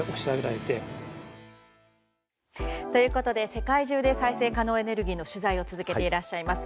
世界中で再生可能エネルギーの取材を続けています